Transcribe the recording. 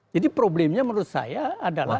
jadi problemnya menurut saya adalah